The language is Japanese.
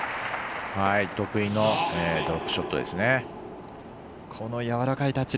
得意のドロップショット。